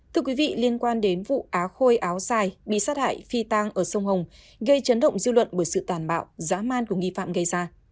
thưa quý vị liên quan đến vụ á khôi áo dài bị sát hại phi tang ở sông hồng gây chấn động dư luận bởi sự tàn bạo giá man của nghi phạm gây ra